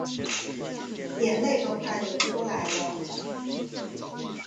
眼泪都快流出来了